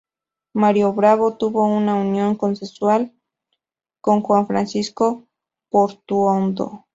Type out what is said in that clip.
María Bravo tuvo una unión consensual con Juan Francisco Portuondo.